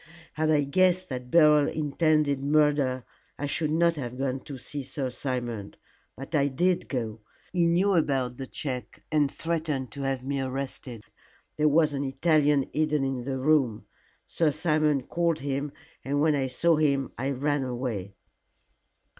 Had I guessed that Beryl intended murder, I should not have gone to see Sir Simon. But I did go. He knew about the check and threatened to have me arrested. There was an Italian hidden in the room. Sir Simon called him, and when I saw him I ran away."